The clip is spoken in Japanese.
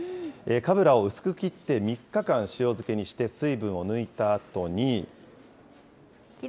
かぶらを薄く切って３日間塩漬けにして水分を抜いたあとに。